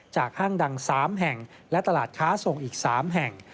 ห้างดัง๓แห่งและตลาดค้าส่งอีก๓แห่ง